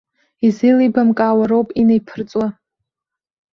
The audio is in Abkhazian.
Изеилибамкаауа роуп инеиԥырҵуа.